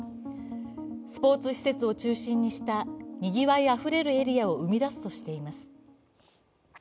スポーツ施設を中心にしたにぎわいあふれるエリアを生み出すとしています。